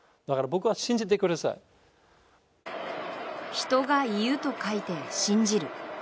「人」が「言う」と書いて、信じる。